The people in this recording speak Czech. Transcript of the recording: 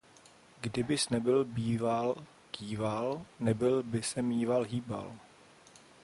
Kdybys nebyl býval kýval, nebyl by se mýval hýbal.